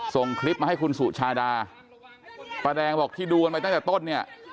ส่งคลิปมาให้คุณสุชาดาป้าแดงบอกที่ดูกันไปตั้งแต่ต้นเนี่ย